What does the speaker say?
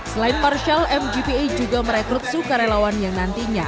selain marshall mgpa juga merekrut sukarelawan yang nantinya